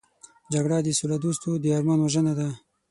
جګړه د سولهدوستو د ارمان وژنه ده